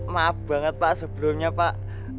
maaf banget pak sebelumnya pak